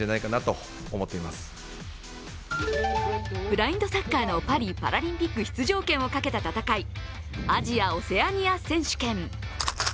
ブラインドサッカーのパリパラリンピック出場権をかけた戦いアジア・オセアニア選手権。